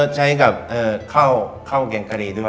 ใช้กับข้าวแกงคดีด้วย